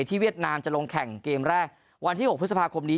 เวียดนามจะลงแข่งเกมแรกวันที่๖พฤษภาคมนี้